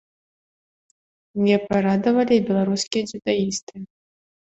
Не парадавалі і беларускія дзюдаісты.